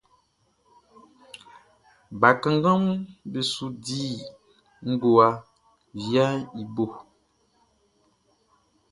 Bakannganʼm be su di ngowa viaʼn i bo.